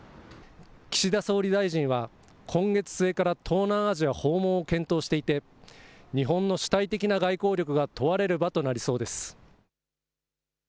岸田総理大臣は今月末から東南アジア訪問を検討していて日本の主体的な外交力が問われる場となりそうです。